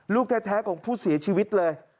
ลูกแท้ของผู้เสียชีวิตเลย